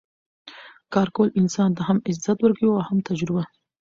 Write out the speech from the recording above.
کار کول انسان ته هم عزت ورکوي او هم تجربه